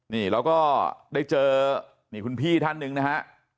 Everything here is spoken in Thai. นี่เราก็ได้เจอนี่คุณพี่ท่านหนึ่งนะฮะ